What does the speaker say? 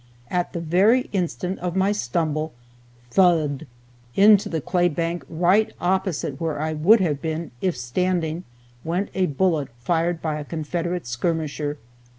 At the very instant of my stumble, "thud" into the clay bank right opposite where I would have been, if standing, went a bullet fired by a Confederate skirmisher.